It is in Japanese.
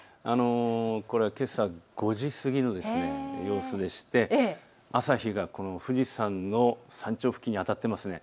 これはけさ５時過ぎの様子でして朝日が富士山の山頂付近に当たっていますね。